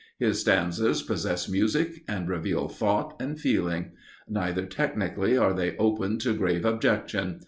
His stanzas possess music and reveal thought and feeling. Neither technically are they open to grave objection.